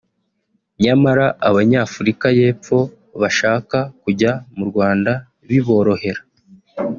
nyamara abanyafurika y’Epfo bashaka kujya mu Rwanda biborohera